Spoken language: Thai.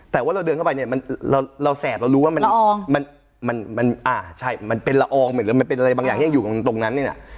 แต่ว่าเราเดินเข้าไปเนี่ยเราแสบเรารู้ว่ามันใช่มันเป็นละอองเหมือนมันเป็นอะไรบางอย่างที่ยังอยู่ตรงนั้นเนี่ยนะ